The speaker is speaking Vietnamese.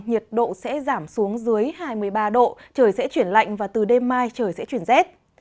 nhiệt độ sẽ giảm xuống dưới hai mươi ba độ trời sẽ chuyển lạnh và từ đêm mai trời sẽ chuyển rét